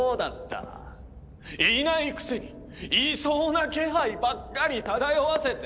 いないくせにいそうな気配ばっかり漂わせて。